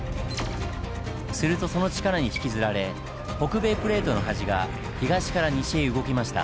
するとその力に引きずられ北米プレートの端が東から西へ動きました。